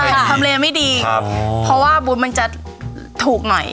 ทำเลไม่ดีครับเพราะว่าบูธมันจะถูกหน่อย